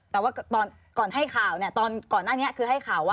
แต่ว่าก่อนให้ข่าวเนี่ยตอนก่อนหน้านี้คือให้ข่าวว่า